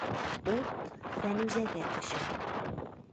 Ут Фәнүзәгә төшә.